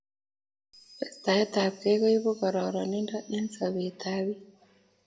testai ab kei koibu karanindo eng' sobet ab piik